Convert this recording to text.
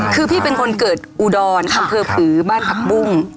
คือพี่เป็นคนเกิดอุดรอำเภอผือบ้านผักบุ้ง